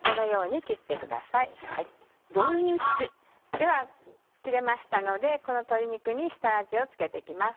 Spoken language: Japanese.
では切れましたのでこの鶏肉に下味を付けて行きます。